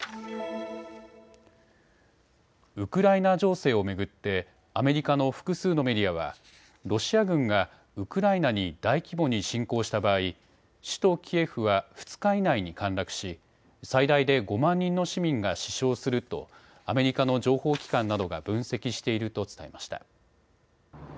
ウクライナ情勢を巡ってアメリカの複数のメディアはロシア軍がウクライナに大規模に侵攻した場合、首都キエフは２日以内に陥落し、最大で５万人の市民が死傷するとアメリカの情報機関などが分析していると伝えました。